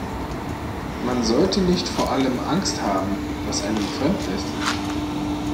Man sollte nicht vor allem Angst haben, was einem fremd ist.